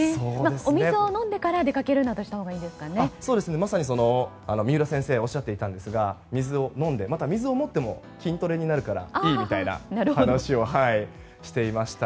お水を飲んでから出かけるようにしたほうがまさに三浦先生がおっしゃっていたんですが水を飲むまたは水を持って歩いても筋トレになるからいいという話をしていました。